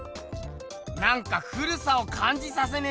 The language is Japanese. なんか古さをかんじさせねえ